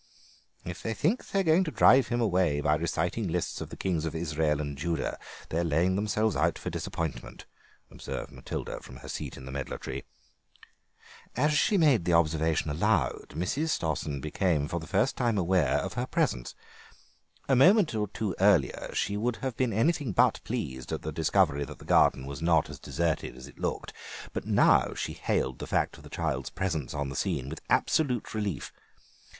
"If they think they're going to drive him away by reciting lists of the kings of Israel and Judah they're laying themselves out for disappointment," observed Matilda from her seat in the medlar tree. As she made the observation aloud Mrs. Stossen became for the first time aware of her presence. A moment or two earlier she would have been anything but pleased at the discovery that the garden was not as deserted as it looked, but now she hailed the fact of the child's presence on the scene with absolute relief.